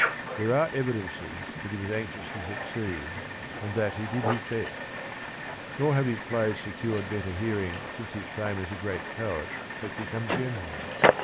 There are evi dences that he was anxious to succeed and that he did his best. Nor have his plays secured THE RING AND THE BOOK 7 better hearing since his fame as a great poet has become general.